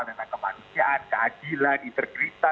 tentang kemanusiaan keadilan intergrita